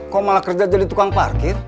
kok malah kerja jadi tukang parkir